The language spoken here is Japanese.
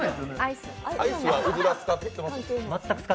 アイスはうずら使ってます？